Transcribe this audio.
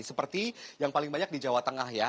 seperti yang paling banyak di jawa tengah ya